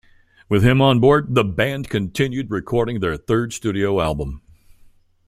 With him on board, the band continued recording their third studio album.